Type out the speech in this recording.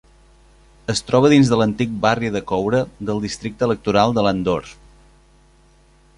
Es troba dins de l'antic barri de coure del districte electoral de Landore.